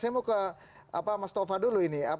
saya mau ke mas tova dulu ini